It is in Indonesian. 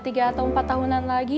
tiga atau empat tahunan lagi